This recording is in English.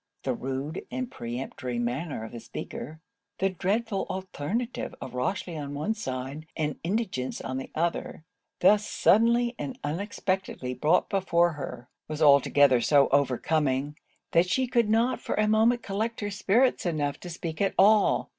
The rude and peremptory manner of the speaker; the dreadful alternative of Rochely on one side, and indigence on the other, thus suddenly and unexpectedly brought before her; was altogether so overcoming, that she could not for a moment collect her spirits enough to speak at all.